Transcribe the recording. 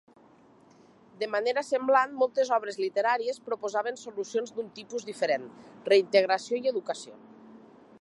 De manera semblant, moltes obres literàries proposaven solucions d'un tipus diferent: reintegració i educació.